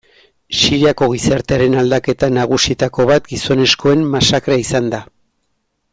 Siriako gizartearen aldaketa nagusietako bat gizonezkoen masakrea izan da.